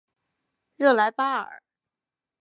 热莱巴尔。